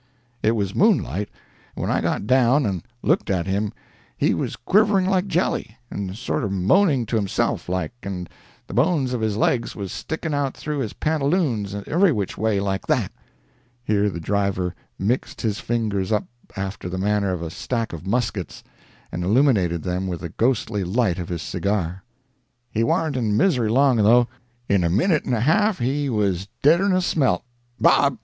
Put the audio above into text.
It was moonlight, and when I got down and looked at him he was quivering like jelly, and sorter moaning to himself, like, and the bones of his legs was sticking out through his pantaloons every which way, like that." ( Here the driver mixed his fingers up after the manner of a stack of muskets, and illuminated them with the ghostly light of his cigar.) "He warn't in misery long though. In a minute and a half he was deader'n a smelt—Bob!